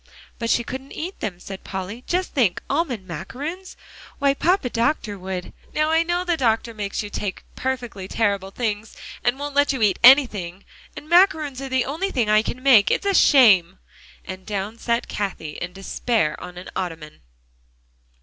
"But she couldn't eat them," said Polly. "Just think, almond macaroons! Why, Papa Doctor would" "Now I know the doctor makes you take perfectly terrible things, and won't let you eat anything. And macaroons are the only things I can make. It's a shame!" and down sat Cathie in despair on an ottoman.